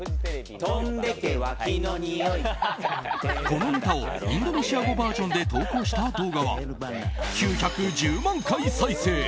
このネタをインドネシア語バージョンで投稿した動画は９１０万回再生。